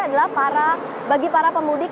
adalah bagi para pemudik